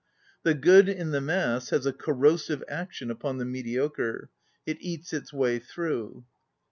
The good, in the mass, has a corro sive action upon the mediocre; it eats its way through.